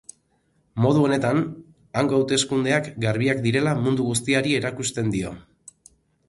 Modu honetan, hango hauteskundeak garbiak direla mundu guztiari erakusten dio.